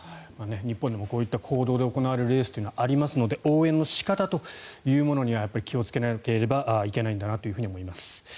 日本でもこういった公道で行われるレースというのはありますので応援の仕方というものには気をつけなければいけないんだなと思います。